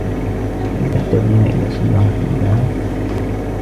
هل تحتاجين إلى سيارة إسعاف ؟